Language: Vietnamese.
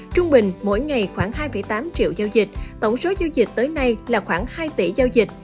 trung bình mỗi ngày khoảng hai tám triệu giao dịch tổng số giao dịch tới nay là khoảng hai tỷ giao dịch